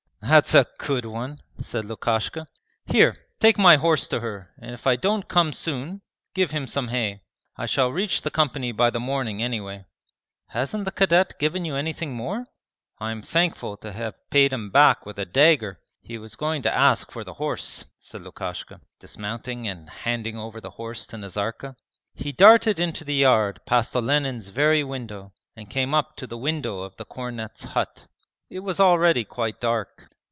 'That's a good one!' said Lukashka. 'Here, take my horse to her and if I don't come soon give him some hay. I shall reach the company by the morning anyway.' 'Hasn't the cadet given you anything more?' 'I am thankful to have paid him back with a dagger he was going to ask for the horse,' said Lukashka, dismounting and handing over the horse to Nazarka. He darted into the yard past Olenin's very window, and came up to the window of the cornet's hut. It was already quite dark.